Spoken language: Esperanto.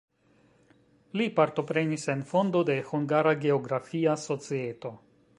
Li partoprenis en fondo de "Hungara Geografia Societo".